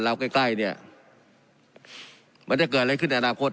ใกล้ใกล้เนี่ยมันจะเกิดอะไรขึ้นในอนาคต